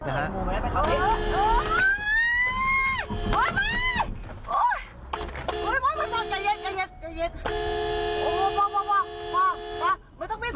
ชนท้ายเหรอชนเปล่าชนเหรอชนชนเย็น